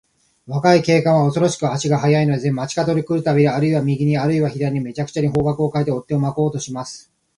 若い警官は、おそろしく足が早いのです。町かどに来るたび、あるいは右に、あるいは左に、めちゃくちゃに方角をかえて、追っ手をまこうとします。